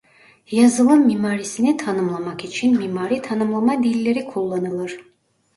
Yazılım mimarisini tanımlamak için mimari tanımlama dilleri kullanılır.